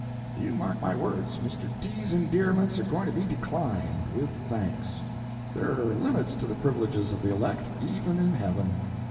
You mark my words, Mr. T.'s endearments are going to be declined, with thanks. There are limits to the privileges of the elect, even in heaven.